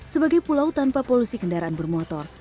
sebagai pulau tanpa polusi kendaraan bermotor